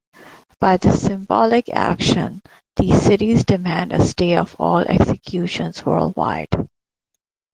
By this symbolic action, these cities demand a stay of all executions worldwide.